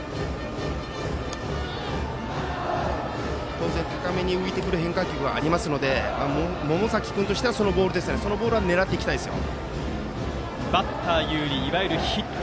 当然、高めに浮いてくる変化球はありますので百崎君としては、そのボールを狙っていきたいですよ。